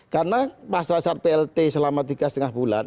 karena pasal saat plt selama tiga lima bulan